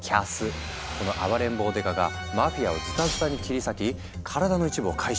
この暴れん坊刑事がマフィアをズタズタに切り裂き体の一部を回収。